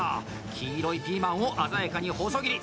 黄色いピーマンを鮮やかに細切り。